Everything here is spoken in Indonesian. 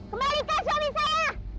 kembalikan suami saya